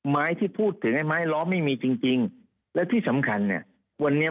ไม้ที่พูดถึงไม้ร้อไม่มีจริงและที่สำคัญเนี่ย